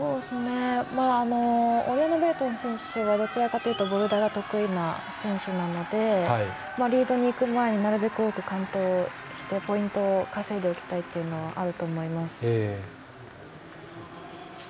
オリアーヌ・ベルトン選手どちらかというとボルダーが得意な選手なのでリードにいく前になるべく多く完登をしてポイントを稼いでおきたいというのはあると思います。